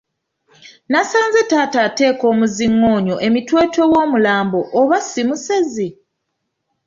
Nasanze taata ateeka omuziŋoonyo emitwetwe w’omulambo oba si musezi?